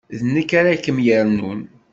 D nekk ara kem-yernun.